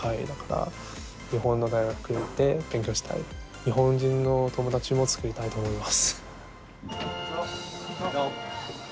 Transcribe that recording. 日本の友達も作りたいと思います。